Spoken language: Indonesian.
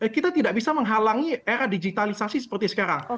kita tidak bisa menghalangi era digitalisasi seperti sekarang